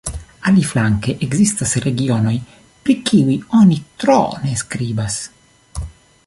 Aliflanke ekzistas regionoj, pri kiuj oni tro ne skribas.